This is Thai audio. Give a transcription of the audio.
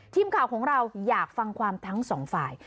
ทีมข่าวของเราอยากฟังความทั้งสองฝ่าย